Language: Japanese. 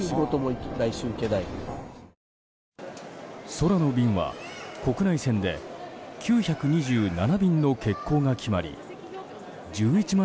空の便は国内線で９２７便の欠航が決まり１１万